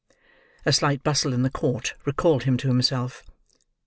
A slight bustle in the court, recalled him to himself.